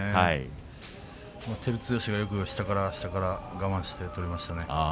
照強がよく下から下から我慢して取りましたね。